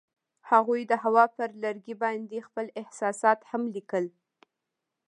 هغوی د هوا پر لرګي باندې خپل احساسات هم لیکل.